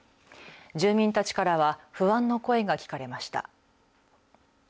住民たちからは不安の声が聞かれました。